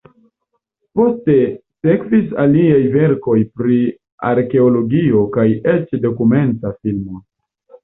Poste sekvis aliaj verkoj pri arkeologio kaj eĉ dokumenta filmo.